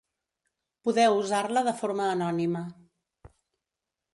Podeu usar-la de forma anònima.